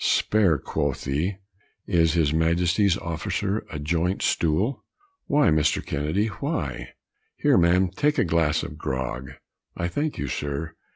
("Spare," quotha, "is his majesty's officer a joint stool?") "Why, Mr. Kennedy, why? here, man, take a glass of grog." "I thank you sir."